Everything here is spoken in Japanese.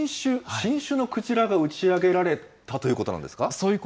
新種のクジラが打ち上げられたということなんですか。